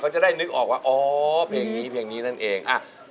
เขาจะได้นึกออกว่าอ๋อเพลงนี้นั่นเอง